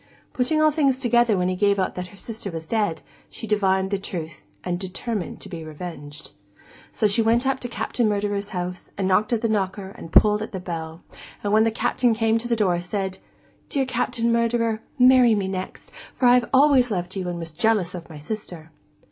Putting all things together when he gave out that her sister was dead, she divined the truth, and determined to be revenged. So, she went up to Captain Murderer's house, and knocked at the knocker and pulled at the bell, and when the Captain came to the door, said: 'Dear Captain Murderer, marry me next, for I always loved you and was jealous of my sister.